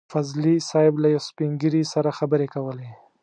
فضلي صیب له يو سپين ږيري سره خبرې کولې.